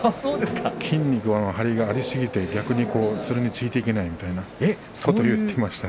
筋肉の張りがありすぎてそれについていけないということを言ってました。